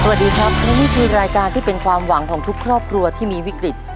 สวัสดีครับและนี่คือรายการที่เป็นความหวังของทุกครอบครัวที่มีวิกฤต